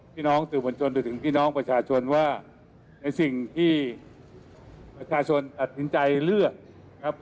ที่สุรปนชลว่าในสิ่งที่ประชาชนตัดสินใจเลือก